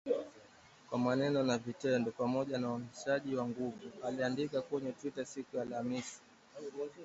kwa maneno na vitendo, pamoja na uhamasishaji wa nguvu, aliandika kwenye Twita siku ya Alhamisi